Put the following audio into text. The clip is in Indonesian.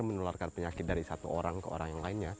menularkan penyakit dari satu orang ke orang yang lainnya